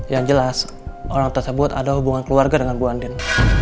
yang jelas orang tersebut ada hubungan keluarga dengan bu andin